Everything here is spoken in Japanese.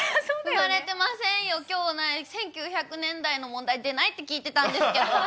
生まれてませんよ、きょう、なえ、１９００年代の問題出ないって聞いてたんですけど。